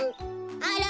あら？